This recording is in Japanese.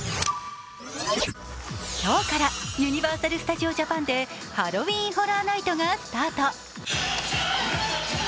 今日からユニバーサル・スタジオ・ジャパンでハロウィーン・ホラー・ナイトがスタート。